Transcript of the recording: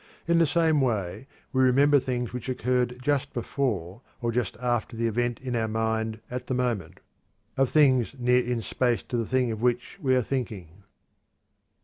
In the same way we remember things which occurred just before or just after the event in our mind at the moment; of things near in space to the thing of which we are thinking.